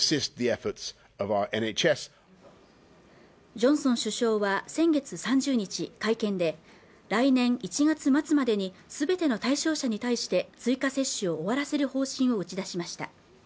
ジョンソン首相は先月３０日会見で来年１月末までにすべての対象者に対して追加接種を終わらせる方針を打ち出しました